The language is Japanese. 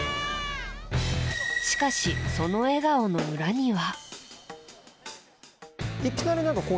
しかし、その笑顔の裏には。